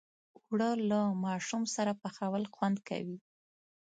اوړه له ماشوم سره پخول خوند کوي